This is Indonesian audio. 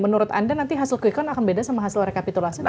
menurut anda nanti hasil quick count akan beda sama hasil rekapitulasi